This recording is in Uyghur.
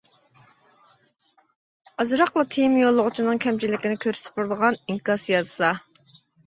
ئازراقلا تېما يوللىغۇچىنىڭ كەمچىلىكىنى كۆرسىتىپ بېرىدىغان ئىنكاس يازسا.